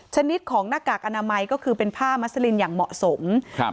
ชนิดของหน้ากากอนามัยก็คือเป็นผ้ามัสลินอย่างเหมาะสมครับ